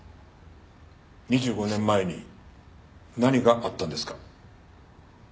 ２５年前に何があったんですか？